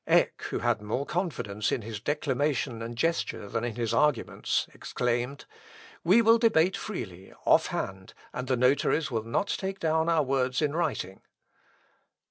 Eck, who had more confidence in his declamation and gesture than in his arguments, exclaimed, "We will debate freely, off hand, and the notaries will not take down our words in writing."